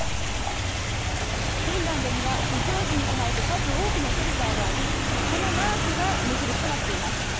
フィンランドには非常時に備えて数多くのシェルターがありこのマークが目印となっています。